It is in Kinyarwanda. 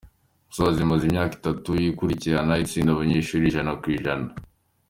Musasa imaze imyaka itanu ikurikirana itsindisha abanyeshuri ijana ku ijana.